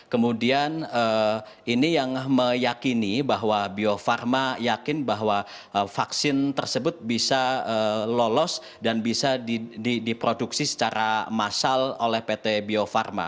kemudian ini yang meyakini bahwa bio farma yakin bahwa vaksin tersebut bisa lolos dan bisa diproduksi secara massal oleh pt bio farma